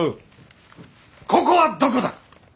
ここはどこだ？